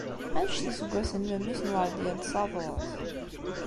Anect n yiseggasen n memmi-s n Weṛdiya n Tsaḍurt?